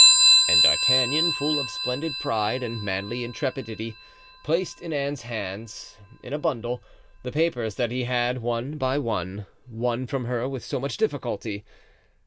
And D'Artagnan, full of splendid pride and manly intrepidity, placed in Anne's hands, in a bundle, the papers that he had one by one won from her with so much difficulty.